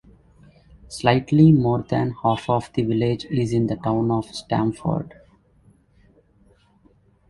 Slightly more than half of the village is in the town of Stamford.